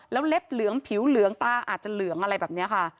แล้วเล็บเหลืองผิวเหลืองตาอาจจะเหลืองอะไรแบบนี้ค่ะ